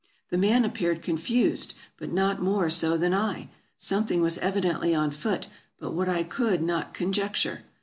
The man appeared confused, but not more so than I. Something was evidently on foot, but what I could not conjecture.